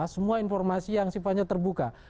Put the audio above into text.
semua informasi yang sifatnya terbuka